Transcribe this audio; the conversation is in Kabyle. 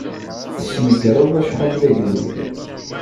Tesnegreḍ acḥal d agdud.